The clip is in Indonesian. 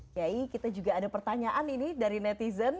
kiai kita juga ada pertanyaan ini dari netizen